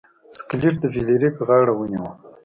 سکلیټ د فلیریک غاړه ونیوه.